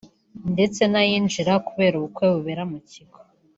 ndetse n’ayinjira kubera ubukwe bubera mu kigo